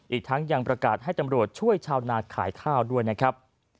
อีกทั้งยังประกาศให้ตำรวจช่วยชาวนาขายข้าวด้วยนะครับ